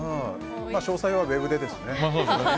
詳細はウェブでですね。